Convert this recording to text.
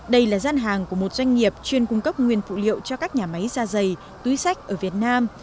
đây là gian hàng của một doanh nghiệp chuyên cung cấp nguyên phụ liệu cho các nhà máy da dày túi sách ở việt nam